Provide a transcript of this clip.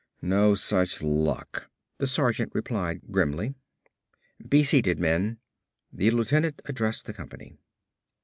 "No such luck," the sergeant replied grimly. "Be seated, men," the lieutenant addressed the company.